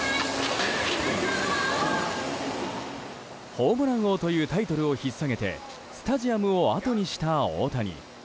ホームラン王というタイトルを引っ提げてスタジアムをあとにした大谷。